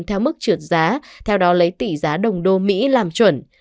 theo mức trượt giá theo đó lấy tỷ giá đồng đô mỹ làm chuẩn